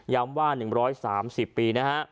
ย้ำว่า๑๓๐ปีนะฮะ